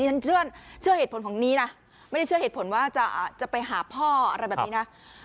ฉันเชื่อเหตุผลของนี้นะไม่ได้เชื่อเหตุผลว่าจะไปหาพ่ออะไรแบบนี้นะ